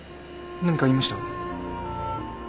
何か言いました？